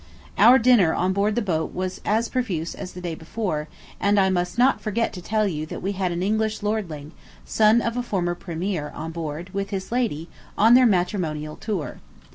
Our dinner on board the boat was as profuse as the day before; and I must not forget to tell you that we had an English lordling, son of a former premier, on board, with his lady, on their matrimonial tour.